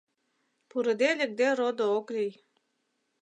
Пурыде-лекде родо ок лий